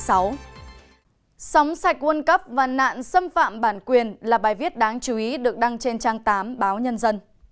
sống sạch world cup và nạn xâm phạm bản quyền là bài viết đáng chú ý được đăng trên trang tám báo nhân dân